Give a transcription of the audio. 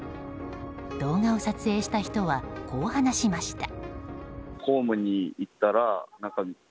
動画を撮影した人はこう話しました。